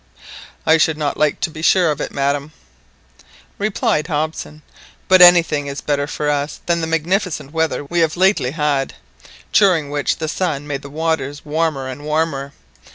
"I should not like to be sure of it, madam," replied Hobson; "but anything is better for us than the magnificent weather we have lately had, during which the sun made the waters warmer and warmer.